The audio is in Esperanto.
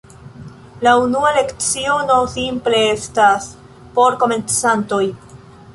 La unua leciono simple estas por komencantoj.